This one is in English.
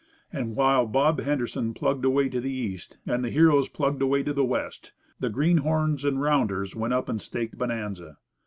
And while Bob Henderson plugged away to the east, and the heroes plugged away to the west, the greenhorns and rounders went up and staked Bonanza.